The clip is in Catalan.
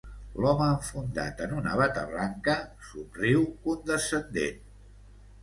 L'home enfundat en una bata blanca somriu condescendent.